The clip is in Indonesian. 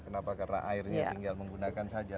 kenapa karena airnya tinggal menggunakan saja